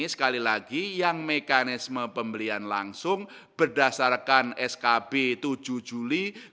sekali lagi yang mekanisme pembelian langsung berdasarkan skb tujuh juli